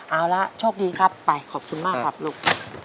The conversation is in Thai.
เอาละโชคดีครับไปขอบคุณมากครับลูก